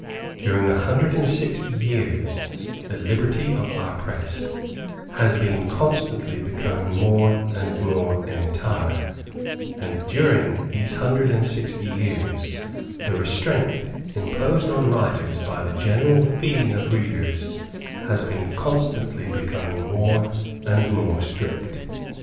During a hundred and sixty years the liberty of our press has been constantly becoming more and more entire; and during those hundred and sixty years the restraint imposed on writers by the general feeling of readers has been constantly becoming more and more strict.